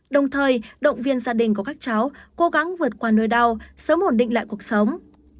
đồng thời động viên gia đình của các cháu cố gắng vượt qua nỗi đau sớm ổn định lại cuộc sống